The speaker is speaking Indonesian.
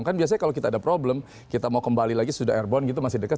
kan biasanya kalau kita ada problem kita mau kembali lagi sudah airborne gitu masih dekat